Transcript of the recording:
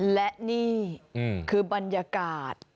และนี่คือบรรยากาศ